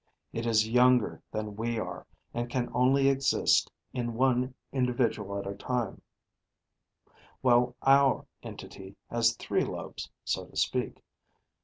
It is younger than we are, and can only exist in one individual at a time, while our entity has three lobes, so to speak.